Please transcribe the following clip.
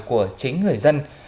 của chính người dân